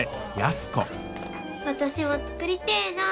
私も作りてえなあ。